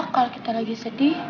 kalau kita lagi sedih